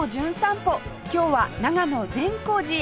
今日は長野善光寺へ